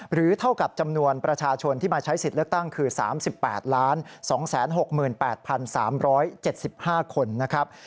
เท่ากับจำนวนประชาชนที่มาใช้สิทธิ์เลือกตั้งคือ๓๘๒๖๘๓๗๕คนนะครับ